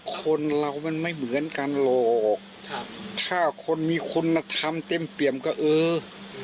คนเรามันไม่เหมือนกันหรอกครับถ้าคนมีคุณธรรมเต็มเปี่ยมก็เออ